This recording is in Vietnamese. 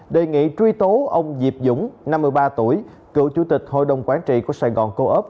đề nghị truy tố ông diệp dũng năm mươi ba tuổi cựu chủ tịch hội đồng quản trị của sài gòn co op